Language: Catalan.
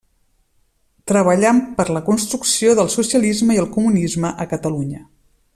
Treballant per la construcció del Socialisme i el Comunisme a Catalunya.